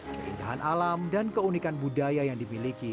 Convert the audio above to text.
keindahan alam dan keunikan budaya yang dimiliki